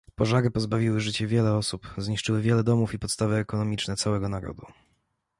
Pożary pozbawiły życia wiele osób, zniszczyły wiele domów i podstawy ekonomiczne całego narodu